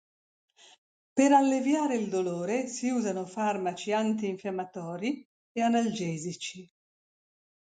Per alleviare il dolore si usano farmaci antinfiammatori e analgesici.